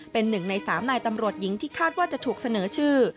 เป็น๑ใน๓นายตำรวจหญิงที่คาดว่าจะถูกเสนอชื่อ